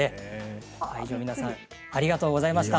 会場の皆さんありがとうございました。